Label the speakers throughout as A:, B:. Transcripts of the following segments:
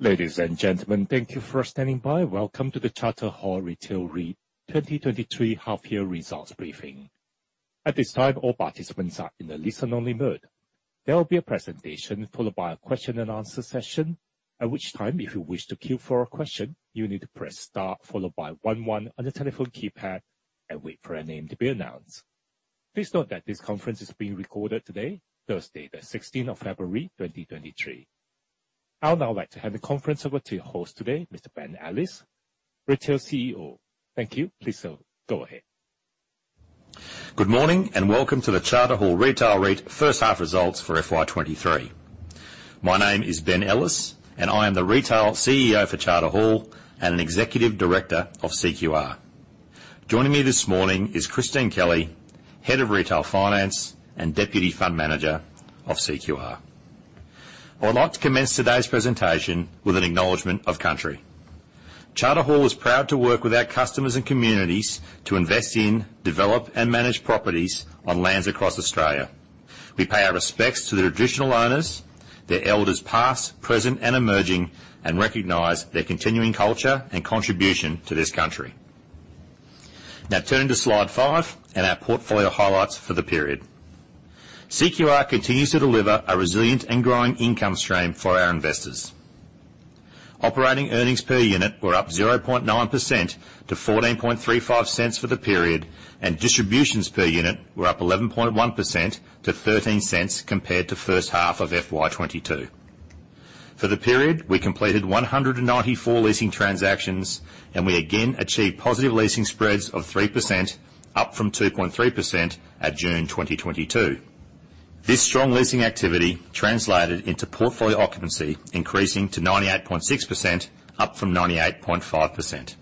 A: Ladies and gentlemen, thank you for standing by. Welcome to the Charter Hall Retail REIT 2023 half-year results briefing. At this time, all participants are in a listen-only mode. There will be a presentation followed by a question-and-answer session. At which time, if you wish to queue for a question, you need to press star followed by one one on your telephone keypad and wait for your name to be announced. Please note that this conference is being recorded today, Thursday, the 16th of February, 2023. I would now like to hand the conference over to your host today, Mr. Ben Ellis, Retail CEO. Thank you. Please, sir, go ahead.
B: Good morning, welcome to the Charter Hall Retail REIT first half results for FY 2023. My name is Ben Ellis, and I am the Retail CEO for Charter Hall and an Executive Director of CQR. Joining me this morning is Christine Kelly, Head of Retail Finance and Deputy Fund Manager of CQR. I would like to commence today's presentation with an acknowledgement of country. Charter Hall is proud to work with our customers and communities to invest in, develop, and manage properties on lands across Australia. We pay our respects to the traditional owners, their elders past, present, and emerging, and recognize their continuing culture and contribution to this country. Turning to slide five and our portfolio highlights for the period. CQR continues to deliver a resilient and growing income stream for our investors. Operating earnings per unit were up 0.9% to 0.1435 for the period, and distributions per unit were up 11.1% to 0.13 compared to first half of FY 2022. For the period, we completed 194 leasing transactions, we again achieved positive leasing spreads of 3%, up from 2.3% at June 2022. This strong leasing activity translated into portfolio occupancy, increasing to 98.6%, up from 98.5%.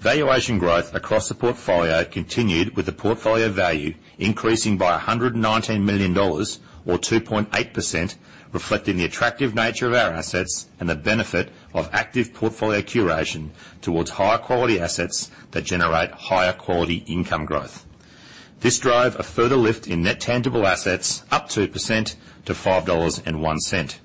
B: Valuation growth across the portfolio continued with the portfolio value increasing by 119 million dollars or 2.8%, reflecting the attractive nature of our assets and the benefit of active portfolio curation towards higher quality assets that generate higher quality income growth. This drive a further lift in net tangible assets up 2% to 5.01 dollars.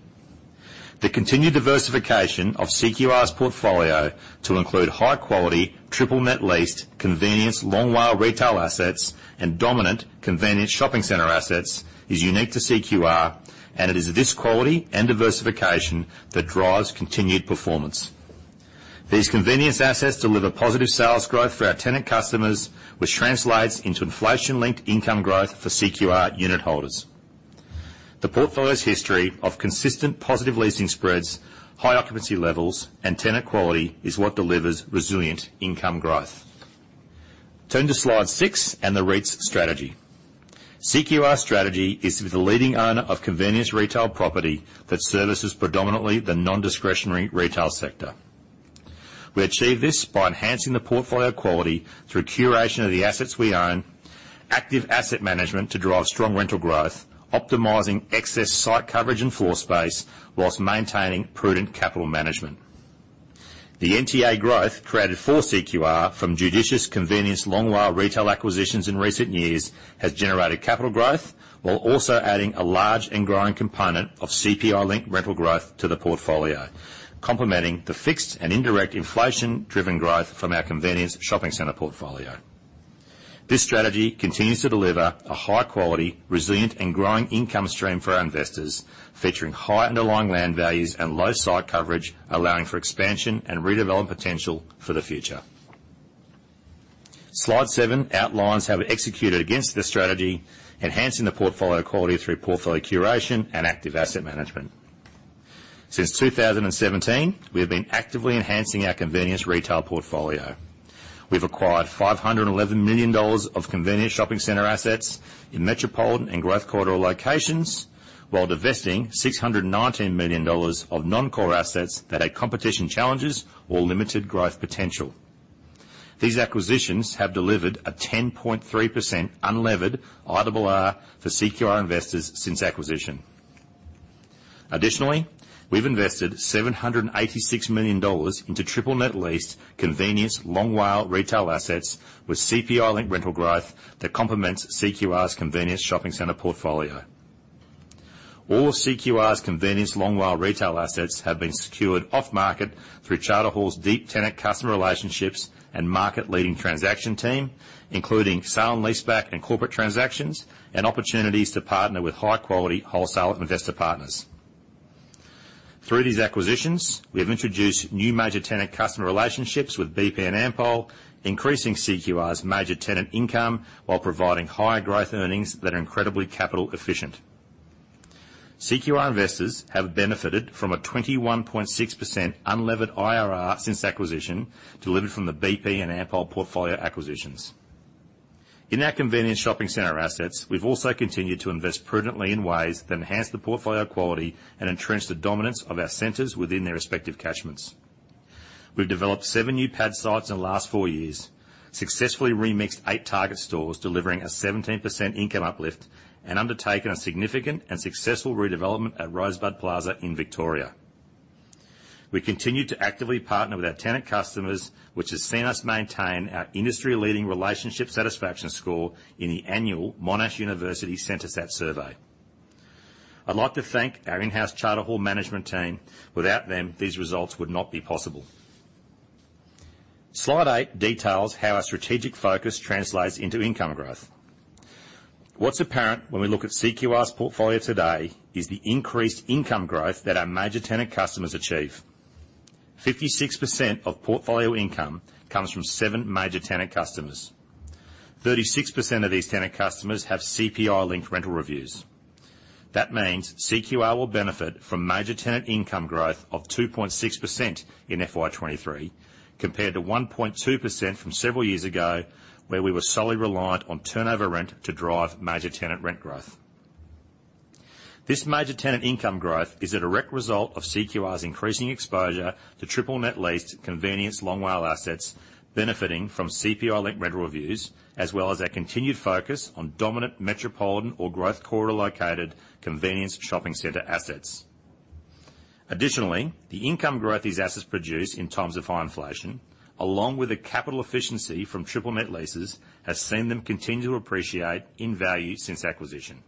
B: The continued diversification of CQR's portfolio to include high quality NNN leased, Convenience Long WALE retail assets and dominant convenience shopping center assets is unique to CQR, and it is this quality and diversification that drives continued performance. These convenience assets deliver positive sales growth for our tenant customers, which translates into inflation-linked income growth for CQR unit holders. The portfolio's history of consistent positive leasing spreads, high occupancy levels, and tenant quality is what delivers resilient income growth. Turn to slide six and the REIT's strategy. CQR strategy is to be the leading owner of convenience retail property that services predominantly the non-discretionary retail sector. We achieve this by enhancing the portfolio quality through curation of the assets we own, active asset management to drive strong rental growth, optimizing excess site coverage and floor space whilst maintaining prudent capital management. The NTA growth created for CQR from judicious Convenience Long WALE retail acquisitions in recent years has generated capital growth while also adding a large and growing component of CPI-linked rental growth to the portfolio, complementing the fixed and indirect inflation-driven growth from our convenience shopping center portfolio. This strategy continues to deliver a high quality, resilient and growing income stream for our investors, featuring high underlying land values and low site coverage, allowing for expansion and redevelopment potential for the future. Slide seven outlines how we executed against this strategy, enhancing the portfolio quality through portfolio curation and active asset management. Since 2017, we have been actively enhancing our convenience retail portfolio. We've acquired 511 million dollars of convenience shopping center assets in metropolitan and growth corridor locations, while divesting 619 million dollars of non-core assets that had competition challenges or limited growth potential. These acquisitions have delivered a 10.3% unlevered IRR for CQR investors since acquisition. Additionally, we've invested 786 million dollars into NNN leased Convenience Long WALE retail assets with CPI-linked rental growth that complements CQR's convenience shopping center portfolio. All of CQR's Convenience Long WALE retail assets have been secured off-market through Charter Hall's deep tenant customer relationships and market-leading transaction team, including sale and leaseback and corporate transactions and opportunities to partner with high-quality wholesale investor partners. Through these acquisitions, we have introduced new major tenant customer relationships with BP and Ampol, increasing CQR's major tenant income while providing higher growth earnings that are incredibly capital efficient. CQR investors have benefited from a 21.6% unlevered IRR since acquisition, delivered from the BP and Ampol portfolio acquisitions. In our convenience shopping center assets, we've also continued to invest prudently in ways that enhance the portfolio quality and entrench the dominance of our centers within their respective catchments. We've developed seven new pad sites in the last four years, successfully remixed eight Target stores, delivering a 17% income uplift and undertaken a significant and successful redevelopment at Rosebud Plaza in Victoria. We continue to actively partner with our tenant customers, which has seen us maintain our industry-leading relationship satisfaction score in the annual Monash University CentreSAT survey. I'd like to thank our in-house Charter Hall management team. Without them, these results would not be possible. Slide eight details how our strategic focus translates into income growth. What's apparent when we look at CQR's portfolio today is the increased income growth that our major tenant customers achieve. 56% of portfolio income comes from seven major tenant customers. 36% of these tenant customers have CPI-linked rental reviews. CQR will benefit from major tenant income growth of 2.6% in FY 2023 compared to 1.2% from several years ago, where we were solely reliant on turnover rent to drive major tenant rent growth. This major tenant income growth is a direct result of CQR's increasing exposure to NNN lease Convenience Long WALE assets benefiting from CPI-linked rental reviews, as well as our continued focus on dominant metropolitan or growth corridor-located convenience shopping center assets. Additionally, the income growth these assets produce in times of high inflation, along with the capital efficiency from NNN leases, has seen them continue to appreciate in value since acquisition.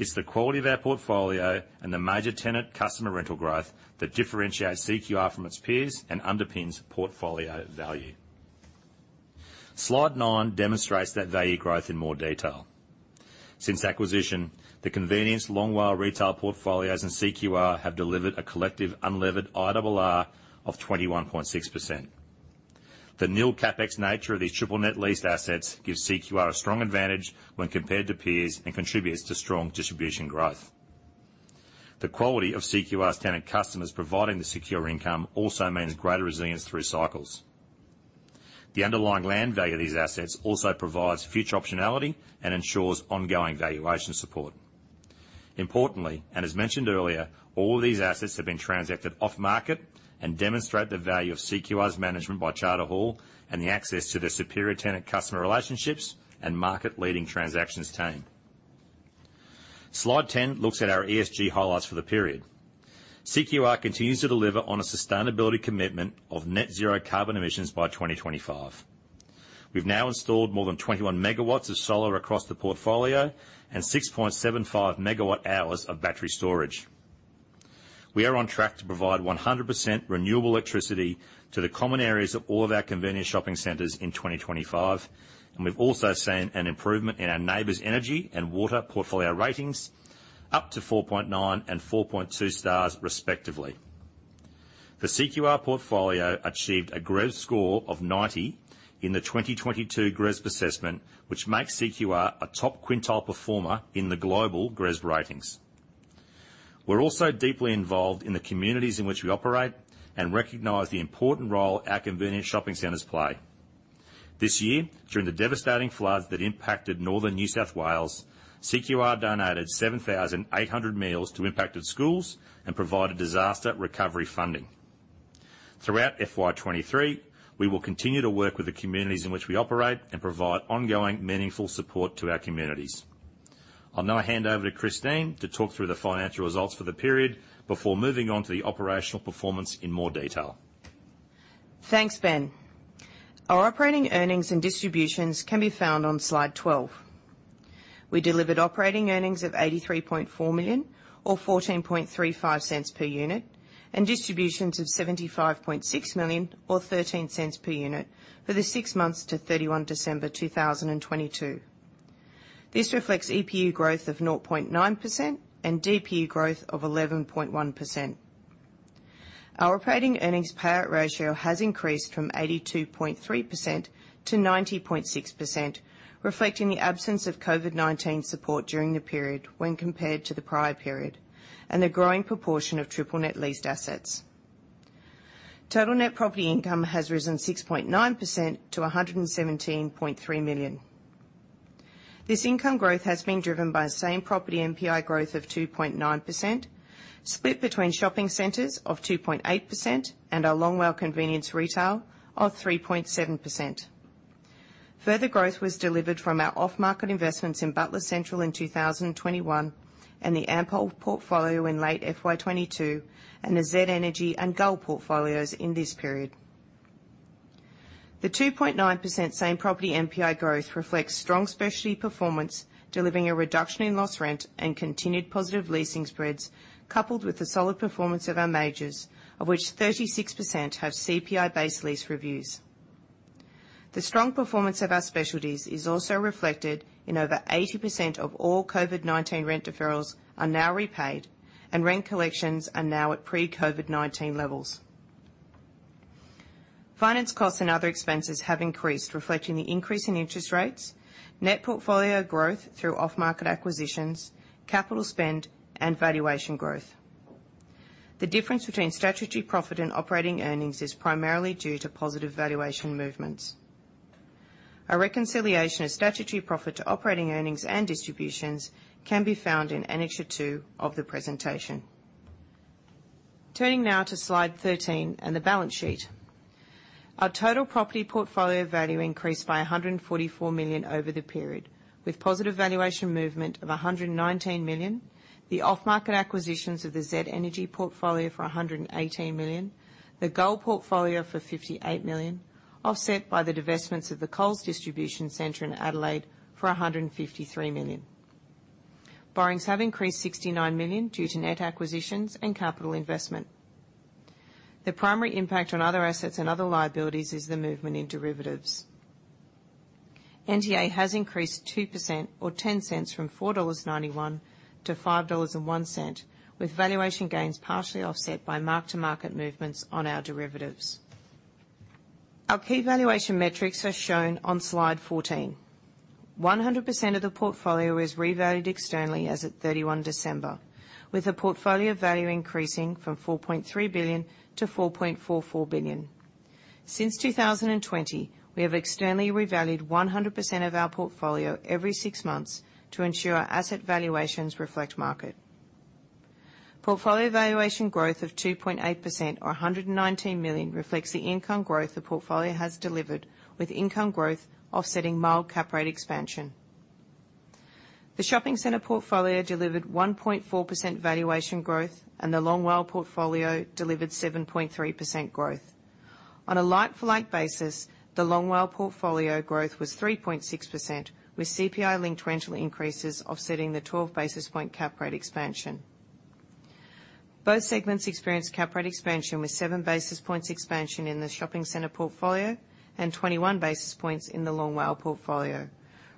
B: It's the quality of our portfolio and the major tenant customer rental growth that differentiates CQR from its peers and underpins portfolio value. Slide nine demonstrates that value growth in more detail. Since acquisition, the Convenience Long WALE retail portfolios and CQR have delivered a collective unlevered IRR of 21.6%. The nil CapEx nature of these NNN lease assets gives CQR a strong advantage when compared to peers and contributes to strong distribution growth. The quality of CQR's tenant customers providing the secure income also means greater resilience through cycles. The underlying land value of these assets also provides future optionality and ensures ongoing valuation support. Importantly, as mentioned earlier, all these assets have been transacted off market and demonstrate the value of CQR's management by Charter Hall and the access to their superior tenant customer relationships and market-leading transactions team. Slide 10 looks at our ESG highlights for the period. CQR continues to deliver on a sustainability commitment of net zero carbon emissions by 2025. We've now installed more than 21 MW of solar across the portfolio and 6.75 MW hours of battery storage. We are on track to provide 100% renewable electricity to the common areas of all of our convenience shopping centers in 2025. We've also seen an improvement in our NABERS energy and water portfolio ratings up to 4.9 and 4.2 stars respectively. The CQR portfolio achieved a GRESB score of 90 in the 2022 GRESB assessment, which makes CQR a top quintile performer in the global GRESB ratings. We're also deeply involved in the communities in which we operate and recognize the important role our convenience shopping centers play. This year, during the devastating floods that impacted northern New South Wales, CQR donated 7,800 meals to impacted schools and provided disaster recovery funding. Throughout FY 2023, we will continue to work with the communities in which we operate and provide ongoing, meaningful support to our communities. I'll now hand over to Christine to talk through the financial results for the period before moving on to the operational performance in more detail.
C: Thanks, Ben. Our operating earnings and distributions can be found on slide 12. We delivered operating earnings of 83.4 million or 0.1435 per unit, and distributions of 75.6 million or 0.13 per unit for the six months to 31 December 2022. This reflects EPU growth of 0.9% and DPU growth of 11.1%. Our operating earnings payout ratio has increased from 82.3% to 90.6%, reflecting the absence of COVID-19 support during the period when compared to the prior period, and the growing proportion of NNN leased assets. Total net property income has risen 6.9% to 117.3 million. This income growth has been driven by same property NPI growth of 2.9%, split between shopping centers of 2.8% and our Long WALE convenience retail of 3.7%. Further growth was delivered from our off-market investments in Butler Central in 2021 and the Ampol portfolio in late FY 2022 and the Z Energy and Gull portfolios in this period. The 2.9% same property NPI growth reflects strong specialty performance, delivering a reduction in loss rent and continued positive leasing spreads, coupled with the solid performance of our majors, of which 36% have CPI-based lease reviews. The strong performance of our specialties is also reflected in over 80% of all COVID-19 rent deferrals are now repaid and rent collections are now at pre-COVID-19 levels. Finance costs and other expenses have increased, reflecting the increase in interest rates, net portfolio growth through off-market acquisitions, capital spend, and valuation growth. The difference between statutory profit and operating earnings is primarily due to positive valuation movements. A reconciliation of statutory profit to operating earnings and distributions can be found in Annexure 2 of the presentation. Turning now to slide 13 and the balance sheet. Our total property portfolio value increased by AUD 144 million over the period, with positive valuation movement of AUD 119 million, the off-market acquisitions of the Z Energy portfolio for AUD 118 million, the Gull portfolio for AUD 58 million, offset by the divestments of the Coles Distribution Center in Adelaide for AUD 153 million. Borrowings have increased AUD 69 million due to net acquisitions and capital investment. The primary impact on other assets and other liabilities is the movement in derivatives. NTA has increased 2% or 0.10 from 4.91 dollars to 5.01 dollars, with valuation gains partially offset by mark-to-market movements on our derivatives. Our key valuation metrics are shown on slide 14. 100% of the portfolio is revalued externally as at December 31, with a portfolio value increasing from AUD 4.3 billion to AUD 4.44 billion. Since 2020, we have externally revalued 100% of our portfolio every six months to ensure our asset valuations reflect market. Portfolio valuation growth of 2.8% or 119 million reflects the income growth the portfolio has delivered, with income growth offsetting mild cap rate expansion. The shopping center portfolio delivered 1.4% valuation growth, and the Long WALE portfolio delivered 7.3% growth. On a like-for-like basis, the Long WALE portfolio growth was 3.6%, with CPI-linked rental increases offsetting the 12 basis point cap rate expansion. Both segments experienced cap rate expansion with seven basis points expansion in the shopping center portfolio and 21 basis points in the Long WALE portfolio,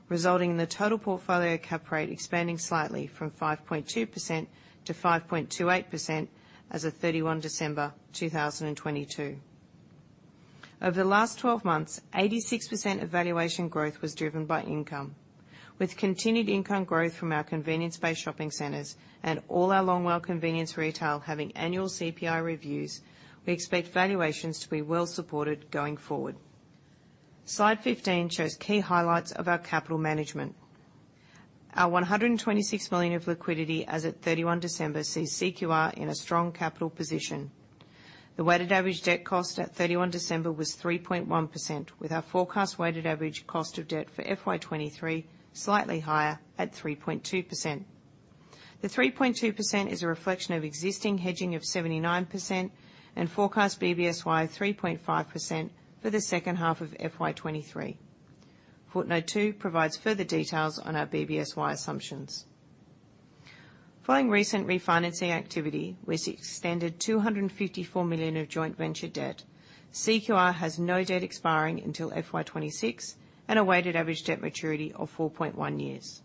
C: resulting in the total portfolio cap rate expanding slightly from 5.2% to 5.28% as of 31 December 2022. Over the last 12 months, 86% of valuation growth was driven by income. With continued income growth from our convenience-based shopping centers and all our Long WALE convenience retail having annual CPI reviews, we expect valuations to be well supported going forward. Slide 15 shows key highlights of our capital management. Our $126 million of liquidity as at 31 December sees CQR in a strong capital position. The weighted average debt cost at 31 December was 3.1%, with our forecast weighted average cost of debt for FY23 slightly higher at 3.2%. The 3.2% is a reflection of existing hedging of 79% and forecast BBSY 3.5% for the second half of FY23. Footnote 2 provides further details on our BBSY assumptions. Following recent refinancing activity, we extended $254 million of joint venture debt. CQR has no debt expiring until FY26 and a weighted average debt maturity of 4.1 years.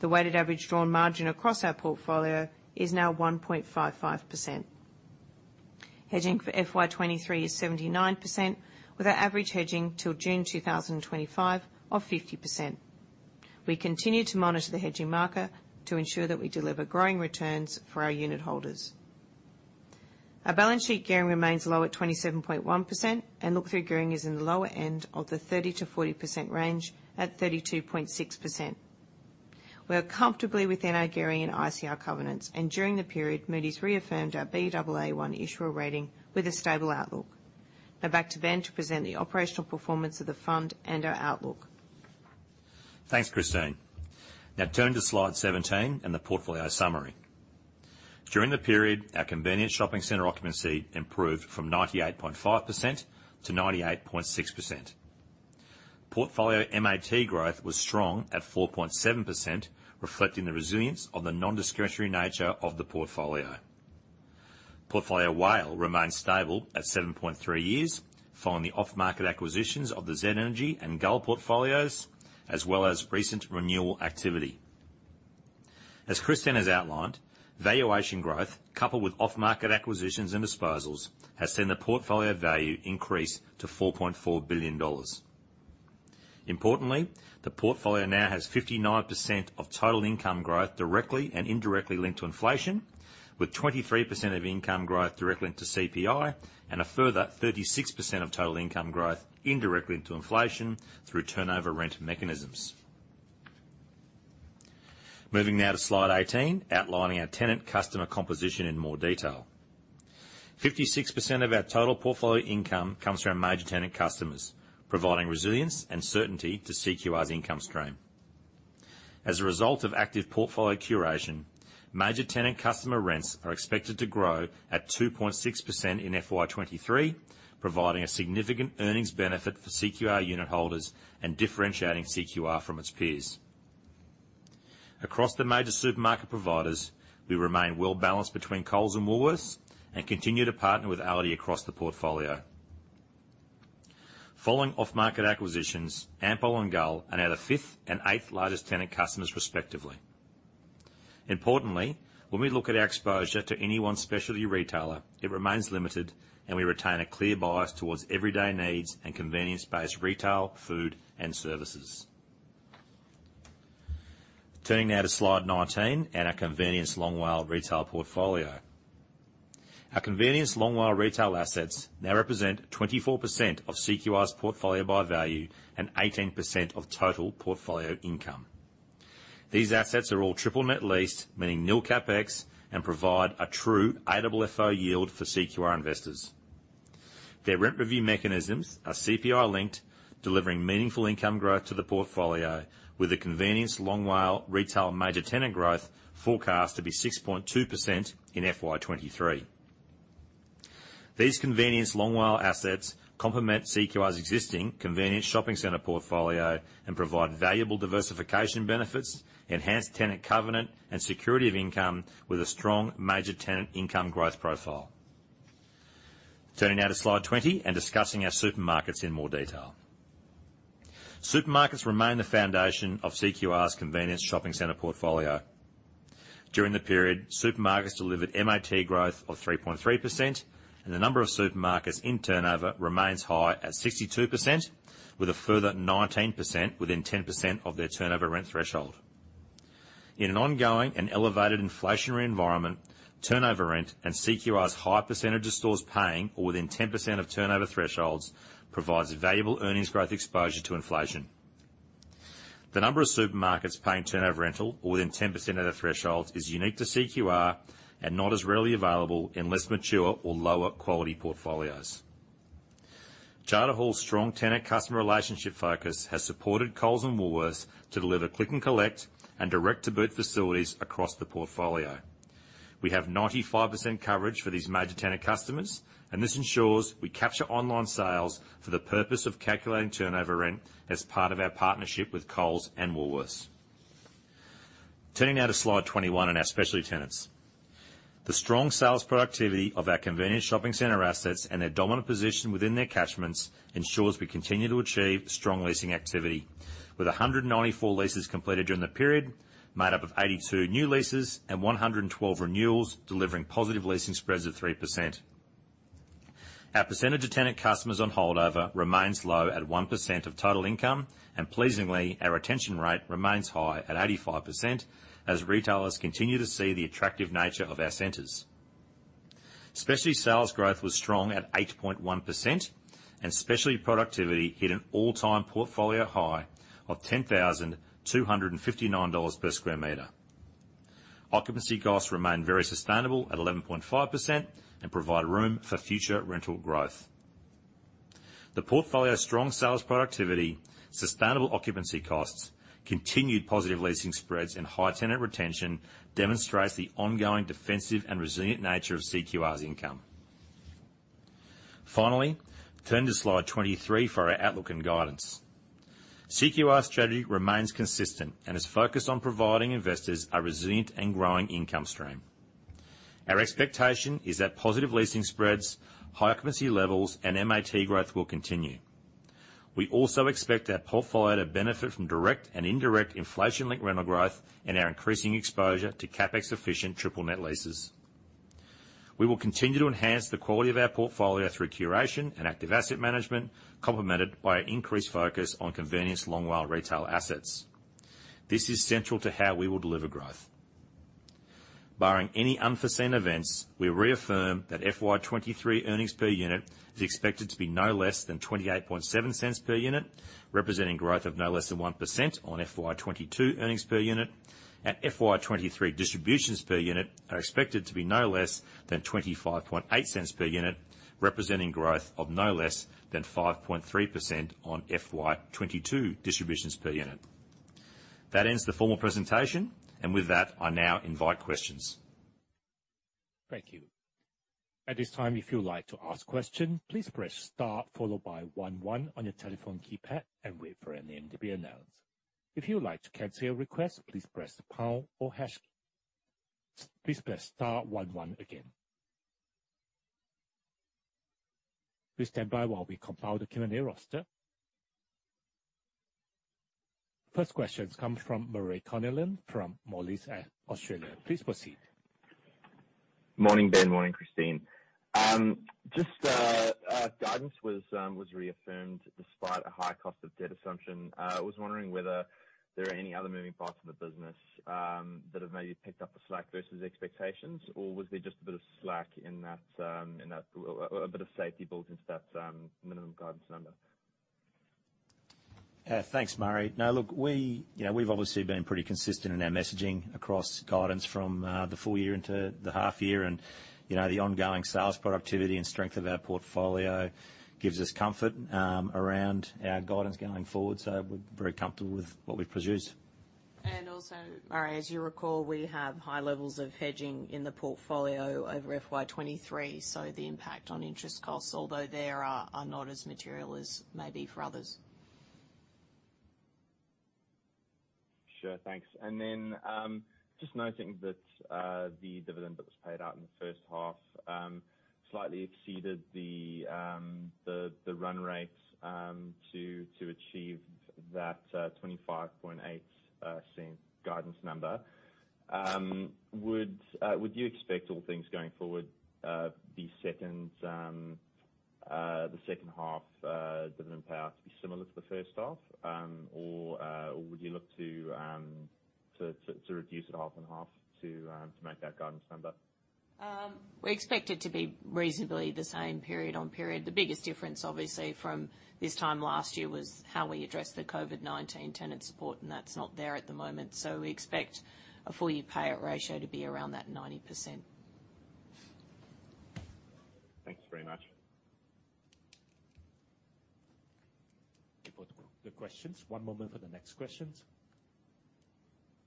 C: The weighted average drawn margin across our portfolio is now 1.55%. Hedging for FY 2023 is 79%, with our average hedging till June 2025 of 50%. We continue to monitor the hedging market to ensure that we deliver growing returns for our unitholders. Our balance sheet gearing remains low at 27.1%, and look-through gearing is in the lower end of the 30%-40% range at 32.6%. We are comfortably within our gearing and ICR covenants, and during the period, Moody's reaffirmed our Baa1 issuer rating with a stable outlook. Now back to Ben to present the operational performance of the fund and our outlook.
B: Thanks, Christine. Now turn to slide 17 and the portfolio summary. During the period, our convenience shopping center occupancy improved from 98.5% to 98.6%. Portfolio MAT growth was strong at 4.7%, reflecting the resilience of the nondiscretionary nature of the portfolio. Portfolio WALE remains stable at 7.3 years following the off-market acquisitions of the Z Energy and Gull portfolios, as well as recent renewal activity. As Christine has outlined, valuation growth, coupled with off-market acquisitions and disposals, has seen the portfolio value increase to 4.4 billion dollars. Importantly, the portfolio now has 59% of total income growth directly and indirectly linked to inflation, with 23% of income growth directly linked to CPI and a further 36% of total income growth indirectly linked to inflation through turnover rent mechanisms. Moving now to slide 18, outlining our tenant customer composition in more detail. 56% of our total portfolio income comes from major tenant customers, providing resilience and certainty to CQR's income stream. As a result of active portfolio curation, major tenant customer rents are expected to grow at 2.6% in FY 2023, providing a significant earnings benefit for CQR unit holders and differentiating CQR from its peers. Across the major supermarket providers, we remain well-balanced between Coles and Woolworths and continue to partner with ALDI across the portfolio. Following off-market acquisitions, Ampol and Gull are now the fifth and eighth largest tenant customers, respectively. Importantly, when we look at our exposure to any one specialty retailer, it remains limited, and we retain a clear bias towards everyday needs and convenience-based retail, food, and services. Turning now to slide 19 and our Convenience Long WALE retail portfolio. Our Convenience Long WALE retail assets now represent 24% of CQR's portfolio by value and 18% of total portfolio income. These assets are all NNN leased, meaning nil CapEx, and provide a true AFFO yield for CQR investors. Their rent review mechanisms are CPI-linked, delivering meaningful income growth to the portfolio with the Convenience Long WALE retail major tenant growth forecast to be 6.2% in FY 2023. These Convenience Long WALE assets complement CQR's existing convenience shopping center portfolio and provide valuable diversification benefits, enhanced tenant covenant, and security of income with a strong major tenant income growth profile. Turning now to slide 20 and discussing our supermarkets in more detail. Supermarkets remain the foundation of CQR's convenience shopping center portfolio. During the period, supermarkets delivered MAT growth of 3.3%, the number of supermarkets in turnover remains high at 62%, with a further 19% within 10% of their turnover rent threshold. In an ongoing and elevated inflationary environment, turnover rent and CQR's high percentage of stores paying or within 10% of turnover thresholds provides valuable earnings growth exposure to inflation. The number of supermarkets paying turnover rental or within 10% of their thresholds is unique to CQR and not as readily available in less mature or lower quality portfolios. Charter Hall's strong tenant customer relationship focus has supported Coles and Woolworths to deliver click and collect and direct-to-boot facilities across the portfolio. We have 95% coverage for these major tenant customers, this ensures we capture online sales for the purpose of calculating turnover rent as part of our partnership with Coles and Woolworths. Turning now to slide 21 and our specialty tenants. The strong sales productivity of our convenience shopping center assets and their dominant position within their catchments ensures we continue to achieve strong leasing activity with 194 leases completed during the period, made up of 82 new leases and 112 renewals, delivering positive leasing spreads of 3%. Our percentage of tenant customers on holdover remains low at 1% of total income, pleasingly, our retention rate remains high at 85% as retailers continue to see the attractive nature of our centers. Specialty sales growth was strong at 8.1%, and specialty productivity hit an all-time portfolio high of 10,259 dollars per square meter. Occupancy costs remain very sustainable at 11.5% and provide room for future rental growth. The portfolio's strong sales productivity, sustainable occupancy costs, continued positive leasing spreads, and high tenant retention demonstrates the ongoing defensive and resilient nature of CQR's income. Finally, turn to slide 23 for our outlook and guidance. CQR's strategy remains consistent and is focused on providing investors a resilient and growing income stream. Our expectation is that positive leasing spreads, high occupancy levels, and MAT growth will continue. We also expect our portfolio to benefit from direct and indirect inflation-linked rental growth and our increasing exposure to CapEx-efficient NNN leases. We will continue to enhance the quality of our portfolio through curation and active asset management, complemented by an increased focus on Convenience Long WALE retail assets. This is central to how we will deliver growth. Barring any unforeseen events, we reaffirm that FY 2023 EPU is expected to be no less than 0.287 per unit, representing growth of no less than 1% on FY 2022 EPU. FY 2023 DPU are expected to be no less than 0.258 per unit, representing growth of no less than 5.3% on FY 2022 DPU. That ends the formal presentation, and with that, I now invite questions.
A: Thank you. At this time, if you would like to ask question, please press star followed by one one on your telephone keypad and wait for your name to be announced. If you would like to cancel your request, please press the pound or hash key. Please press star one one again. Please stand by while we compile the Q&A roster. First question comes from Murray Connellan from Moelis Australia. Please proceed.
D: Morning, Ben. Morning, Christine. Just our guidance was reaffirmed despite a high cost of debt assumption. Was wondering whether there are any other moving parts of the business that have maybe picked up the slack versus expectations? Was there just a bit of slack in that, or a bit of safety built into that minimum guidance number?
B: Thanks, Murray. Now, look, we, you know, we've obviously been pretty consistent in our messaging across guidance from the full year into the half year. You know, the ongoing sales productivity and strength of our portfolio gives us comfort around our guidance going forward. We're very comfortable with what we've produced.
C: Also, Murray, as you recall, we have high levels of hedging in the portfolio over FY 2023, so the impact on interest costs, although there, are not as material as maybe for others.
D: Sure. Thanks. Just noting that the dividend that was paid out in the first half slightly exceeded the run rate to achieve that 0.258 guidance number. Would you expect all things going forward the second half dividend payout to be similar to the first half, or would you look to reduce it half and half to make that guidance number?
C: We expect it to be reasonably the same period on period. The biggest difference, obviously, from this time last year was how we addressed the COVID-19 tenant support. That's not there at the moment. We expect a full year payout ratio to be around that 90%.
A: Thanks very much. Thank you for the questions. One moment for the next questions.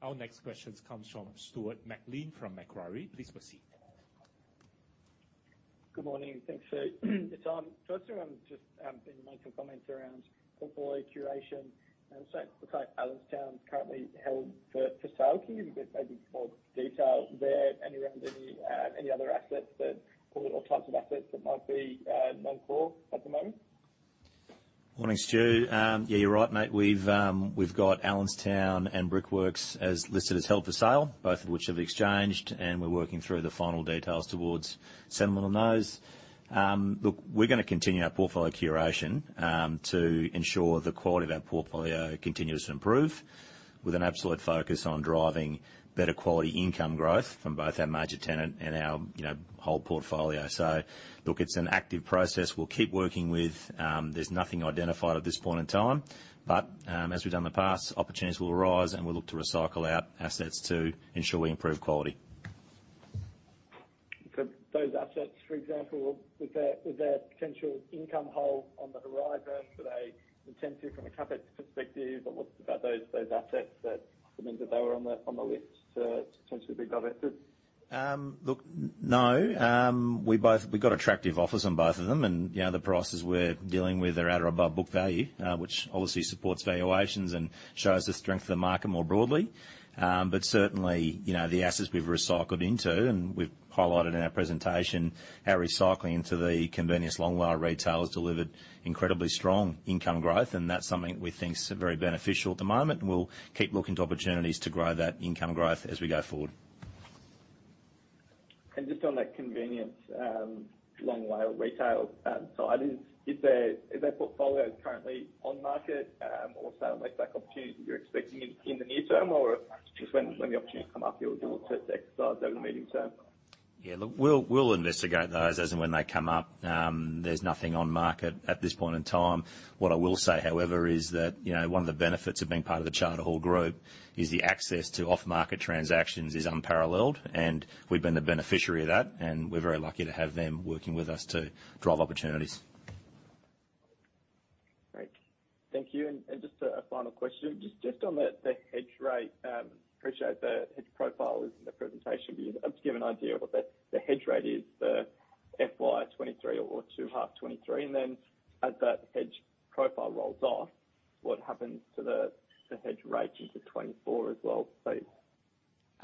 A: Our next questions comes from Stuart McLean from Macquarie. Please proceed.
E: Good morning. Thanks. Just been making comments around portfolio curation and it looks like Allenstown is currently held for sale. Can you give a bit more detail there and around any other assets that, or what types of assets that might be non-core at the moment?
B: Morning, Stuart. Yeah, you're right, mate. We've got Allenstown and Brickworks as listed as held for sale, both of which have exchanged, and we're working through the final details towards settlement on those. Look, we're gonna continue our portfolio curation to ensure the quality of our portfolio continues to improve with an absolute focus on driving better quality income growth from both our major tenant and our, you know, whole portfolio. Look, it's an active process we'll keep working with, there's nothing identified at this point in time, but as we've done in the past, opportunities will arise, and we'll look to recycle out assets to ensure we improve quality.
E: Those assets, for example, was there potential income hole on the horizon? Could they intensive from a CapEx perspective? What's about those assets that meant that they were on the, on the list to potentially be divested?
B: No, we got attractive offers on both of them, you know, the prices we're dealing with are at or above book value, which obviously supports valuations and shows the strength of the market more broadly. Certainly, you know, the assets we've recycled into, we've highlighted in our presentation how recycling to Convenience Long WALE retail has delivered incredibly strong income growth. That's something we think is very beneficial at the moment, we'll keep looking to opportunities to grow that income growth as we go forward.
E: Just on that Convenience Long WALE retail, side, is there, is that portfolio currently on market, or sale-like opportunities you're expecting in the near term, or just when the opportunity come up, you'll look to exercise over the medium term?
B: Yeah. Look, we'll investigate those as and when they come up. There's nothing on market at this point in time. What I will say, however, is that, you know, one of the benefits of being part of the Charter Hall Group is the access to off-market transactions is unparalleled, and we've been the beneficiary of that, and we're very lucky to have them working with us to drive opportunities.
E: Great. Thank you. Just a final question. Just on the hedge rate, appreciate the hedge profile is in the presentation, just to give an idea of what that, the hedge rate is for FY 2023 or 2H 2023, then as that hedge profile rolls off, what happens to the hedge rate into 2024 as well, please?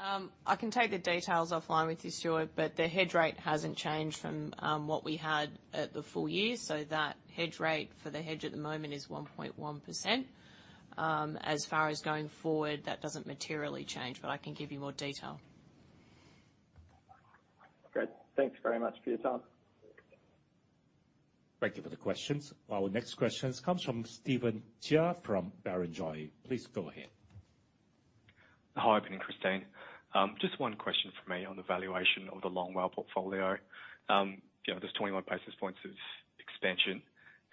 C: I can take the details offline with you, Stuart, but the hedge rate hasn't changed from what we had at the full year. That hedge rate for the hedge at the moment is 1.1%. As far as going forward, that doesn't materially change, but I can give you more detail.
E: Great. Thanks very much for your time.
A: Thank you for the questions. Our next questions comes from Steven Chia from Barrenjoey. Please go ahead.
F: Hi. Good morning, Christine. Just one question from me on the valuation of Long WALE portfolio. You know, there's 21 basis points of expansion,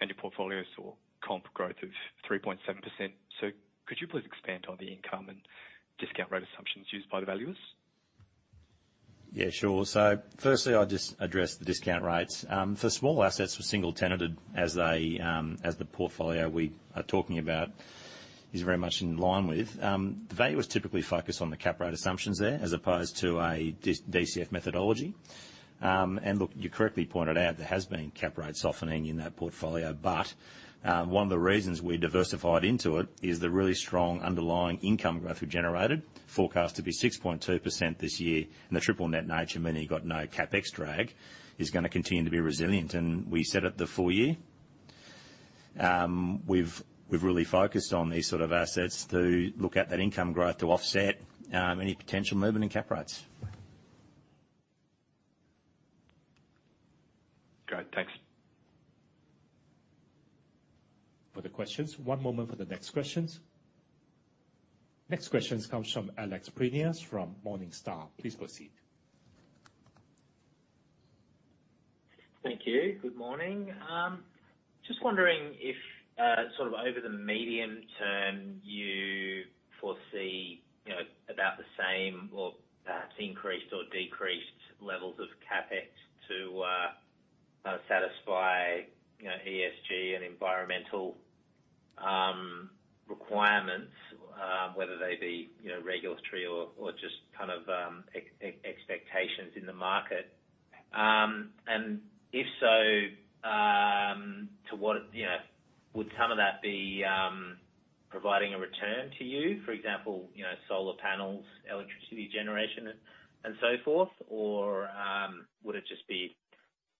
F: and your portfolio saw comp growth of 3.7%. Could you please expand on the income and discount rate assumptions used by the valuers?
B: Yeah, sure. Firstly, I'll just address the discount rates. For small assets for single tenanted as they, as the portfolio we are talking about is very much in line with, the valuers typically focus on the cap rate assumptions there as opposed to a DCF methodology. Look, you correctly pointed out there has been cap rate softening in that portfolio, but one of the reasons we diversified into it is the really strong underlying income growth we generated, forecast to be 6.2% this year. The NNN nature, meaning you've got no CapEx drag, is gonna continue to be resilient. We set up the full year. We've really focused on these sort of assets to look at that income growth to offset any potential movement in cap rates.
F: Great. Thanks.
A: For the questions. One moment for the next questions. Next questions comes from Alex Prineas from Morningstar. Please proceed.
G: Thank you. Good morning. Just wondering if, sort of over the medium term, you foresee, you know, about the same or perhaps increased or decreased levels of CapEx to satisfy, you know, ESG and environmental requirements, whether they be, you know, regulatory or just kind of expectations in the market. If so, to what, you know, would some of that be providing a return to you, for example, you know, solar panels, electricity generation and so forth? Would it just be,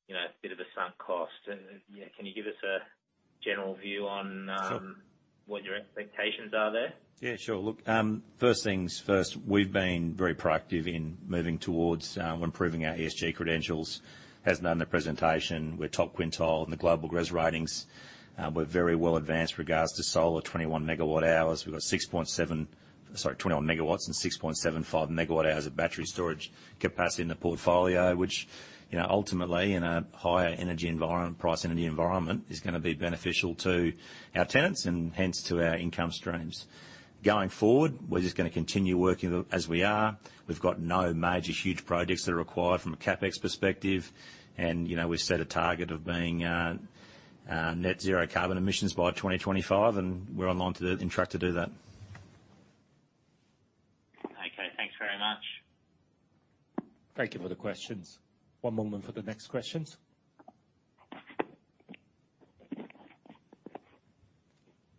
G: you know, a bit of a sunk cost? You know, can you give us a general view on? What your expectations are there?
B: Yeah, sure. Look, first things first, we've been very proactive in moving towards improving our ESG credentials. As noted in the presentation, we're top quintile in the Global GRESB ratings. We're very well advanced regards to solar, 21 MW hours. We've got 21 MWs and 6.75 MW hours of battery storage capacity in the portfolio, which, you know, ultimately, in a higher energy environment, price energy environment, is gonna be beneficial to our tenants and hence to our income streams. Going forward, we're just gonna continue working as we are. We've got no major huge projects that are required from a CapEx perspective. You know, we set a target of being net zero carbon emissions by 2025, and we're online in track to do that.
G: Okay, thanks very much.
A: Thank you for the questions. One moment for the next questions.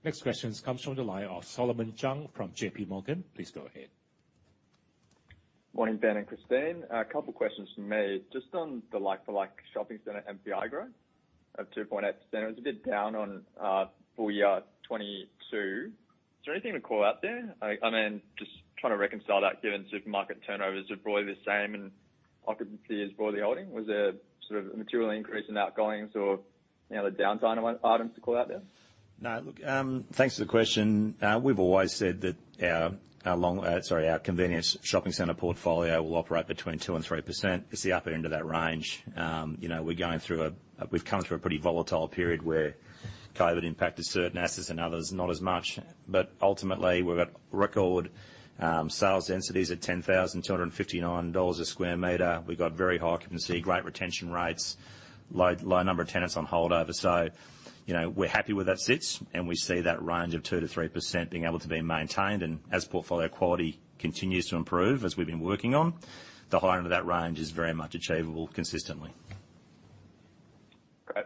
A: Next questions comes from the line of Solomon Zhang from J.P. Morgan. Please go ahead.
H: Morning, Ben and Christine. A couple questions from me. Just on the like-for-like shopping center MAT growth of 2.8%. It was a bit down on full year 2022. Is there anything to call out there? I mean, just trying to reconcile that, given supermarket turnovers are broadly the same and occupancy is broadly holding. Was there sort of a material increase in outgoings or, you know, the downside of items to call out there?
B: No. Look, thanks for the question. We've always said that our convenience shopping center portfolio will operate between 2% and 3%. It's the upper end of that range. you know, we've come through a pretty volatile period where COVID impacted certain assets and others not as much. Ultimately, we've got record, sales densities at 10,259 dollars a square meter. We've got very high occupancy, great retention rates, low number of tenants on holdover. you know, we're happy where that sits, and we see that range of 2%-3% being able to be maintained. As portfolio quality continues to improve, as we've been working on, the higher end of that range is very much achievable consistently.
H: Great.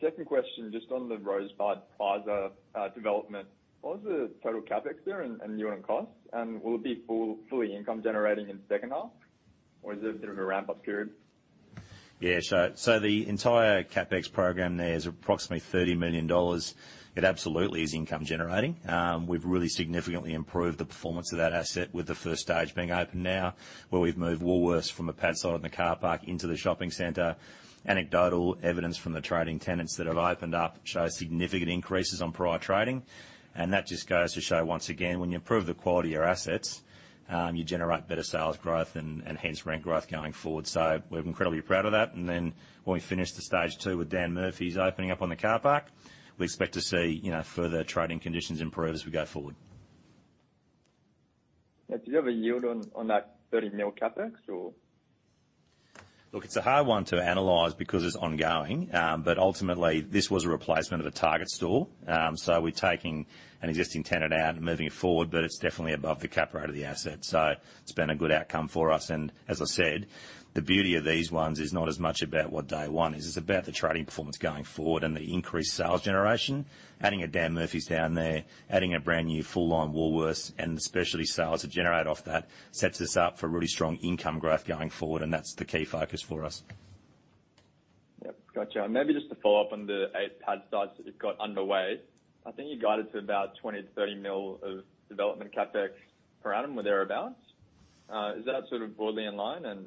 H: Second question, just on the Rosebud Plaza development. What was the total CapEx there and unit cost? Will it be fully income generating in second half, or is there a bit of a ramp-up period?
B: The entire CapEx program there is approximately 30 million dollars. It absolutely is income generating. We've really significantly improved the performance of that asset with the first stage being open now, where we've moved Woolworths from a pad site on the car park into the shopping center. Anecdotal evidence from the trading tenants that have opened up show significant increases on prior trading, that just goes to show, once again, when you improve the quality of your assets, you generate better sales growth and hence rent growth going forward. We're incredibly proud of that. When we finish the stage two with Dan Murphy's opening up on the car park, we expect to see, you know, further trading conditions improve as we go forward.
H: Yeah. Do you have a yield on that AUD 30 million CapEx or?
B: Look, it's a hard one to analyze because it's ongoing, ultimately, this was a replacement of a Target store. We're taking an existing tenant out and moving it forward, but it's definitely above the cap rate of the asset, so it's been a good outcome for us. As I said, the beauty of these ones is not as much about what Day 1 is, it's about the trading performance going forward and the increased sales generation. Adding a Dan Murphy's down there, adding a brand new full line Woolworths, and the specialty sales that generate off that sets us up for really strong income growth going forward, and that's the key focus for us.
H: Yep, gotcha. Maybe just to follow up on the eight pad sites that you've got underway. I think you guided to about 20 mil-30 mil of development CapEx per annum, or thereabouts. Is that sort of broadly in line, and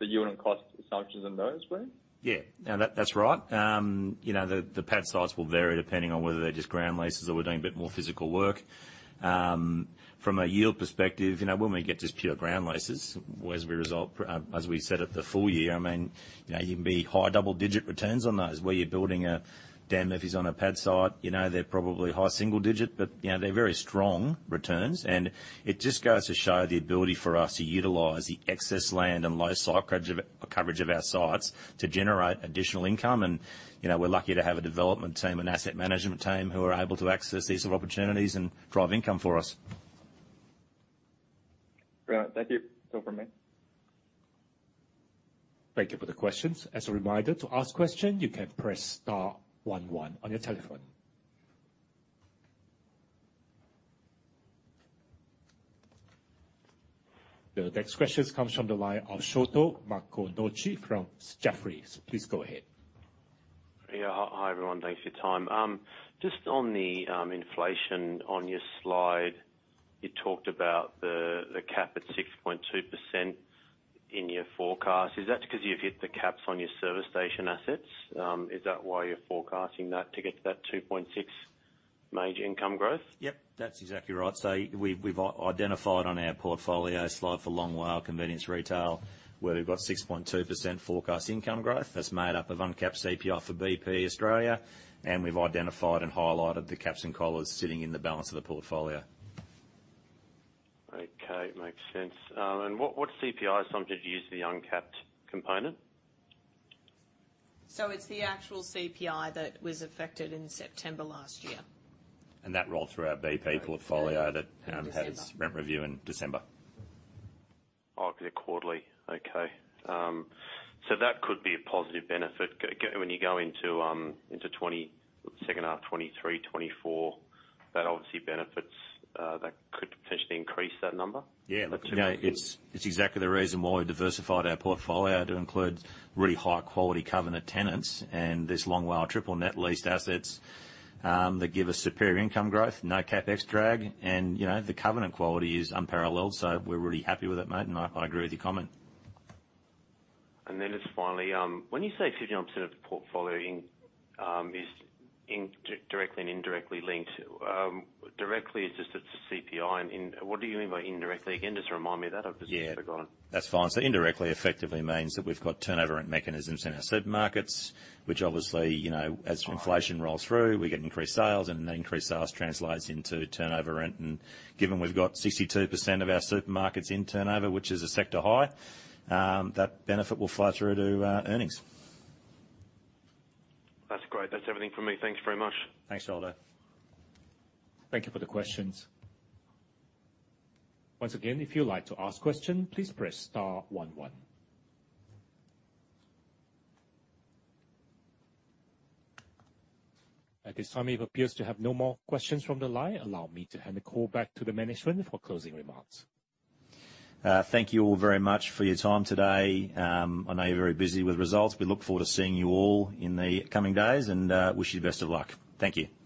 H: the unit cost assumptions in those, please?
B: Yeah. No, that's right. You know, the pad sites will vary depending on whether they're just ground leases or we're doing a bit more physical work. From a yield perspective, you know, when we get just pure ground leases, as we said at the full year, I mean, you know, you can be high double-digit returns on those where you're building a Dan Murphy's on a pad site. You know, they're probably high single digit, but, you know, they're very strong returns. It just goes to show the ability for us to utilize the excess land and low site coverage of our sites to generate additional income. You know, we're lucky to have a development team and asset management team who are able to access these sort of opportunities and drive income for us.
H: Brilliant. Thank you. That's all from me.
A: Thank you for the questions. As a reminder, to ask question, you can press star one one on your telephone. The next questions comes from the line of Sholto Maconochie from Jefferies. Please go ahead.
I: Yeah. Hi, everyone. Thanks for your time. Just on the inflation on your slide, you talked about the cap at 6.2% in your forecast. Is that because you've hit the caps on your service station assets? Is that why you're forecasting that to get to that 2.6% major income growth?
B: Yep, that's exactly right. We've identified on our portfolio slide for Long WALE convenience retail, where we've got 6.2% forecast income growth. That's made up of uncapped CPI for BP Australia, we've identified and highlighted the caps and collars sitting in the balance of the portfolio.
I: Okay. Makes sense. What, what CPI assumption did you use for the uncapped component?
C: It's the actual CPI that was affected in September last year.
B: That rolled through our BP portfolio.
C: December.
B: -that had its rent review in December.
I: Okay, quarterly. Okay. That could be a positive benefit. When you go into 2020, second half 2023, 2024, that obviously benefits, that could potentially increase that number?
B: Yeah. Look, you know, it's exactly the reason why we diversified our portfolio to include really high-quality covenant tenants and this Long WALE NNN leased assets that give us superior income growth, no CapEx drag, and, you know, the covenant quality is unparalleled. We're really happy with it, mate, and I agree with your comment.
I: And then just finally, when you say 59% of the portfolio is directly and indirectly linked, directly is just it's CPI. What do you mean by indirectly again? Just remind me of that. I've just forgotten.
B: Yeah. That's fine. Indirectly effectively means that we've got turnover mechanisms in our supermarkets, which obviously, you know, as inflation rolls through, we get increased sales, and the increased sales translates into turnover rent. Given we've got 62% of our supermarkets in turnover, which is a sector high, that benefit will flow through to earnings.
I: That's great. That's everything for me. Thanks very much.
B: Thanks, Sholto.
A: Thank you for the questions. Once again, if you'd like to ask question, please press star one one. At this time, it appears to have no more questions from the line. Allow me to hand the call back to the management for closing remarks.
B: Thank you all very much for your time today. I know you're very busy with results. We look forward to seeing you all in the coming days and wish you the best of luck. Thank you.
C: Thank you.